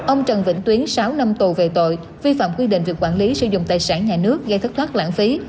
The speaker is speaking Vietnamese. ông trần vĩnh tuyến sáu năm tù về tội vi phạm quy định về quản lý sử dụng tài sản nhà nước gây thất thoát lãng phí